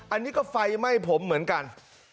อันนี้ก็ไฟไหม้ผมเหมือนกัน